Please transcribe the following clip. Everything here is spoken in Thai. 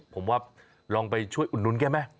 ผมว่าลองไปช่วยอุดนุนแกไหม